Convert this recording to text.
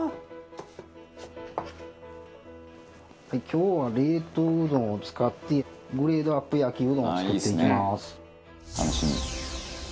今日は冷凍うどんを使ってグレードＵＰ焼きうどんを作っていきます。